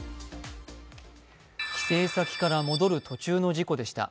帰省先から戻る途中の事故でした。